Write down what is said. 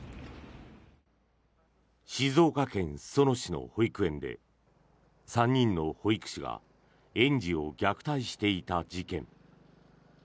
静岡県裾野市の保育園で３人の保育士が園児を虐待していた事件。